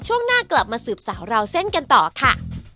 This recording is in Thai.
ช่วงหน้ากลับมาสืบสาวราวเส้นกันต่อค่ะ